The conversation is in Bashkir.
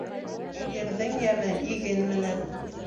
Ерҙең йәме иген менән